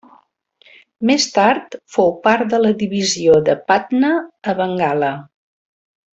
Més tard fou part de la divisió de Patna a Bengala.